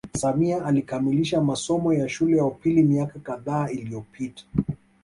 Samia alikamilisha masomo ya shule ya upili miaka kadhaa iliyopita